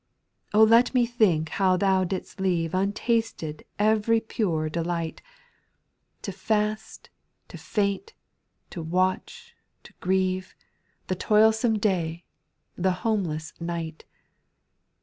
6. O let me think how Thou didst leave Untasted every pure delight, {SPIRITUAL S0NQ8. 827 To fast, to faint, to watch, to grieve, The toilsome day, the homeless night ; 6.